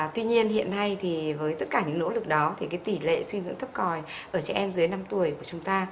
tuy nhiên hiện nay thì với tất cả những nỗ lực đó thì cái tỷ lệ suy dưỡng thấp còi ở trẻ em dưới năm tuổi của chúng ta